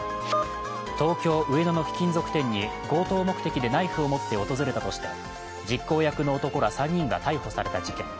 東京・上野の貴金属店に、強盗目的でナイフを持って訪れたとして実行役の男ら３人が逮捕された事件。